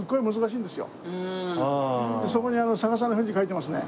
そこに逆さの富士描いてますね。